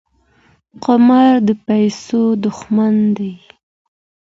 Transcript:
قمار د پیسو دښمن دی.